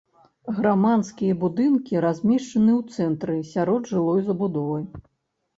Грамадскія будынкі размешчаны ў цэнтры сярод жылой забудовы.